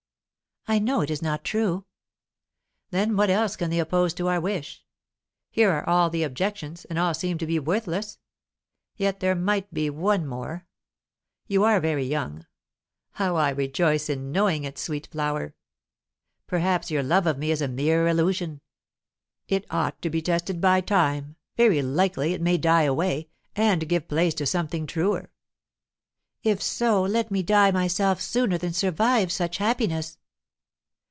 "I know it is not true." "Then what else can they oppose to our wish? Here are all the objections, and all seem to be worthless. Yet there might be one more. You are very young how I rejoice in knowing it, sweet flower! perhaps your love of me is a mere illusion. It ought to be tested by time; very likely it may die away, and give place to something truer." "If so let me die myself sooner than survive such happiness!"